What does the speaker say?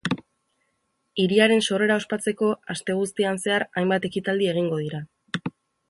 Hiriaren sorrera ospatzeko aste guztian zehar hainbat ekitaldi egingo dira.